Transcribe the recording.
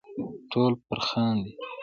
ټول پر خاندي .